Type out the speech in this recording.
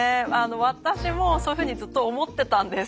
私もそういうふうにずっと思ってたんです。